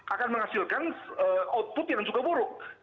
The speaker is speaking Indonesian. akan menghasilkan output yang cukup buruk